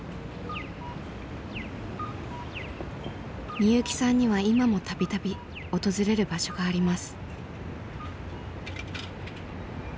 みゆきさんには今も度々訪れる場所があります。